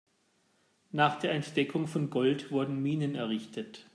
Nach der Entdeckung von Gold wurden Minen errichtet.